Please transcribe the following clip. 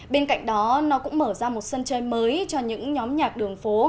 bên cạnh đó nó cũng mở ra một sân chơi mới cho những nhóm nhạc đường phố